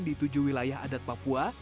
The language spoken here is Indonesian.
di tujuh wilayah adat papua